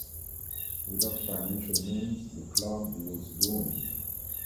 Without financial means the Club was ruined.